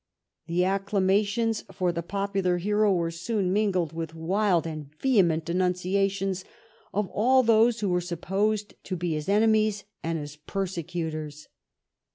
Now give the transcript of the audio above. The acclamations for the popular hero were soon mingled with wild and vehement denunciations of all those who were supposed to be his enemies and his persecutors.